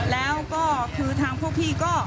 แล้วก็คือทางพวกพี่ก็